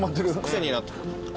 癖になってくる。